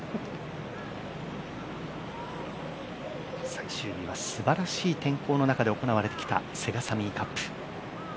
最終日はすばらしい天候の中で行われてきたセガサミーカップ。